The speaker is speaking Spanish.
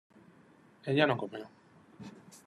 ella no comió